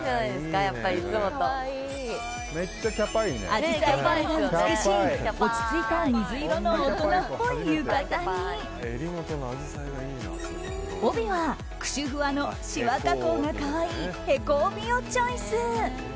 アジサイ柄が美しい落ち着いた水色の大人っぽい浴衣に帯はクシュふわのしわ加工が可愛いへこ帯をチョイス。